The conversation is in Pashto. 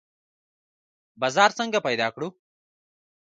بازار څنګه پیدا کړو؟